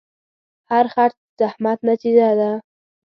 هر خرڅ د زحمت نتیجه ده.